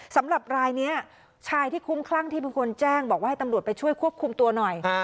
สำหรับรายนี้ชายที่คุ้มคลั่งที่เป็นคนแจ้งบอกว่าให้ตำรวจไปช่วยควบคุมตัวหน่อย